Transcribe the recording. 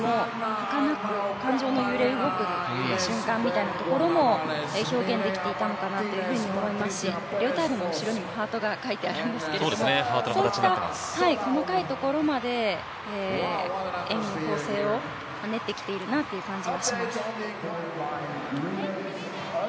はかなく感情の揺れ動く瞬間みたいなところも表現できていたのかなと思いますし、レオタードもハートが描いてあるんですけどもそういった細かいところまで演技の構成を練ってきているなという感じがします。